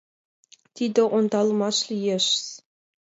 — Тиде ондалымаш лиешыс.